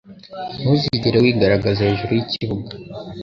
ntuzigere wigaragaza hejuru yikibuga